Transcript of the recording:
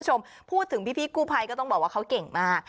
คุณผู้ชมพูดถึงพี่กู้ภัยก็ต้องบอกว่าเขาเก่งมาก